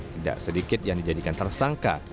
tidak sedikit yang dijadikan tersangka